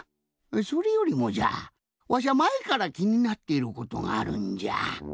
それよりもじゃわしゃまえからきになっていることがあるんじゃ。